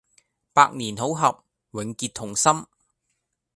百年好合、永結同心